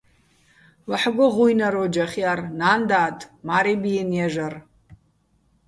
ვაჰ̦გო ღუ́ჲნარ ო́ჯახ ჲარ, ნა́ნ-და́დ, მა́რი ბიენო̆ ჲაჟარ.